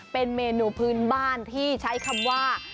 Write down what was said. เป็นเมนูพื้นบ้านที่ใช้คำว่า